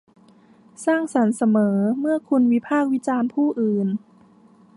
สร้างสรรค์เสมอเมื่อคุณวิพากษ์วิจารณ์ผู้อื่น